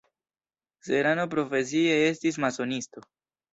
Serrano profesie estis masonisto.